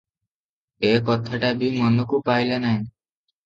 ଏ କଥାଟା ବି ମନକୁ ପାଇଲା ନାହିଁ ।